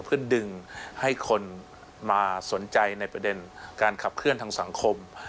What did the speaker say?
เพื่อดึงให้คนมาสนใจในประเด็นการขับเคลื่อนทางสังคม